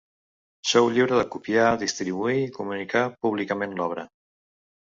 Sou lliure de: copiar, distribuir i comunicar públicament l'obra.